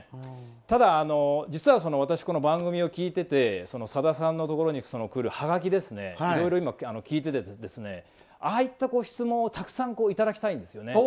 ただ、実は私、番組を聞いていてさださんのところにくるハガキをいろいろ聞いていてああいった質問をたくさんいただきたいんですね。